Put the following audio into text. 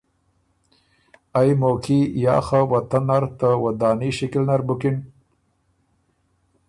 ائ موقعي یا خه وطن نر ته وداني شکِل نر بُکِن